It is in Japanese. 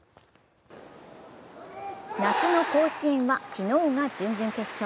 夏の甲子園は昨日が準々決勝。